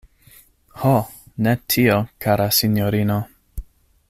Ho, ne tio, kara sinjorino!